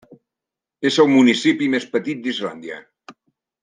És el municipi més petit d'Islàndia.